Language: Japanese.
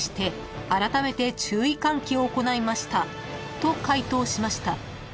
［と回答しました］